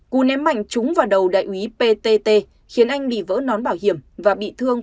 cú ném mạnh trúng vào đầu đại úy ptt khiến anh bị vỡ nón bảo hiểm và bị thương